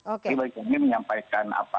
tapi bagi kami menyampaikan apa